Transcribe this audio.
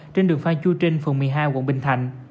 trên đường pha chu trinh phường một mươi hai quận bình thành